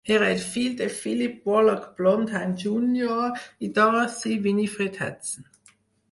Era el fill de Philip Wallach Blondheim, Junior i Dorothy Winifred Hudson.